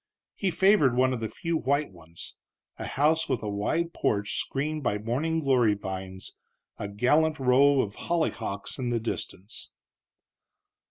He favored one of the few white ones, a house with a wide porch screened by morning glory vines, a gallant row of hollyhocks in the distance.